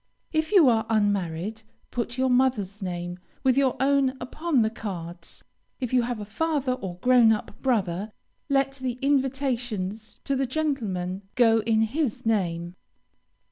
If you are unmarried, put your mother's name with your own upon the cards. If you have a father or grown up brother, let the invitations to the gentlemen go in his name.